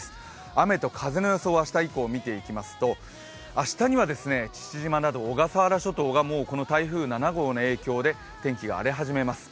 雨と風の予想を明日以降、見ていきますと明日には父島など小笠原諸島が台風７号の影響で天気が荒れ始めます。